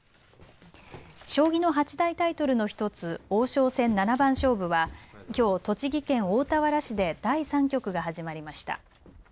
将棋の八大タイトルの１つ王将戦七番勝負はきょう栃木県大田原市で第３局が始まりました。